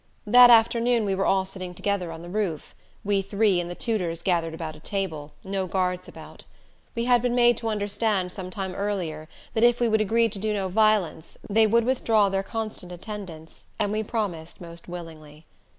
That afternoon we were all sitting together on the roof we three and the tutors gathered about a table, no guards about. We had been made to understand some time earlier that if we would agree to do no violence they would withdraw their constant attendance, and we promised most willingly.